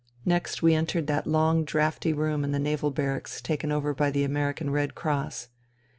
Next we entered that long draughty room in the Naval Barracks taken over by the American Red Cross.